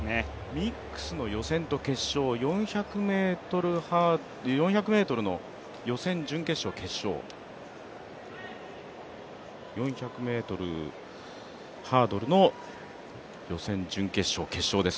ミックスの予選と決勝、４００ｍの予選、準決勝、決勝、４００ｍハードルの予選、準決勝、決勝です。